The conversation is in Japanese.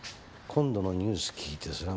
今度のニュース聞いてそら